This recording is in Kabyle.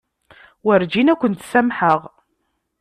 Werǧin ad kent-samḥeɣ.